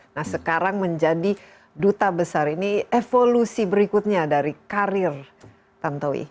nah sekarang menjadi duta besar ini evolusi berikutnya dari karir tantowi